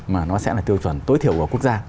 mà nó sẽ là tiêu chuẩn tối thiểu của quốc gia